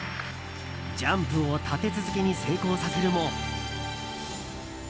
ジャンプを立て続けに成功させるも。